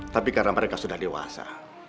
tapi karena mereka sudah dewasa